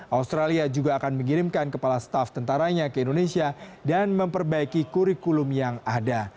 australia juga akan mengirimkan kepala staf tentaranya ke indonesia dan memperbaiki kurikulum yang ada